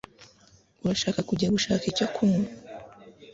urashaka kujya gushaka icyo kunywa